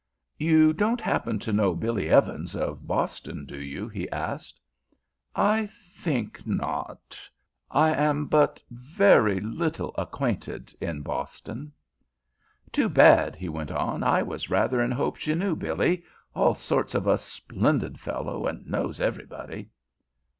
"You don't happen to know Billy Evans, of Boston, do you?" he asked. "I think not. I am but very little acquainted in Boston." "Too bad," he went on. "I was rather in hopes you knew Billy. All sorts of a splendid fellow, and knows everybody."